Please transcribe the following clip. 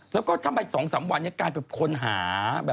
แล้วก็ทำลาย๒๓วันกลายเป็นคนหา